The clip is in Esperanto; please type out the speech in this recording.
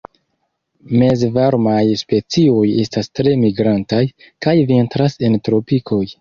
Mezvarmaj specioj estas tre migrantaj, kaj vintras en tropikoj.